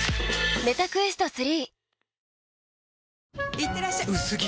いってらっしゃ薄着！